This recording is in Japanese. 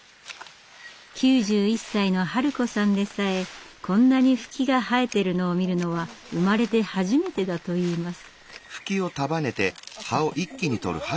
９１歳のハル子さんでさえこんなにフキが生えているのを見るのは生まれて初めてだといいます。